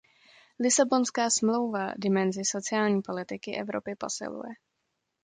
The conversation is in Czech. Lisabonská smlouva dimenzi sociální politiky Evropy posiluje.